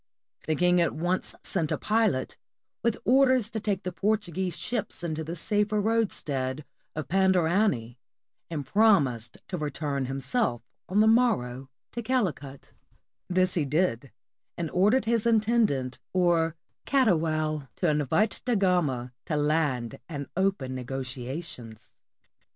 The king at once sent a pilot, with orders to take the Portuguese ships into the safer roadstead of Pandarany, and promised to return himself on the morrow to Calicut; this he did, and or dered his Intendant, or Catoual, to invite Da Gama to land and open negotiations.